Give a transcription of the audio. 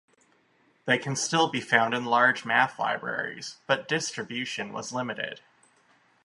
They can still be found in large math libraries, but distribution was limited.